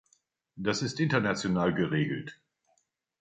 Das ist international geregelt.